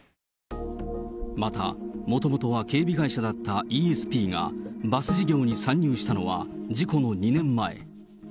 また、もともとは警備会社だったイーエスピーが、バス事業に参入したのは、事故の２年前。